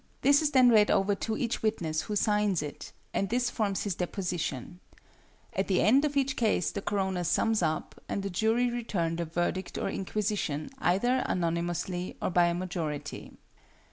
This is then read over to each witness, who signs it, and this forms his deposition. At the end of each case the coroner sums up, and the jury return their verdict or inquisition, either unanimously or by a majority.